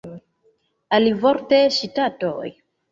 Alivorte ŝtatoj.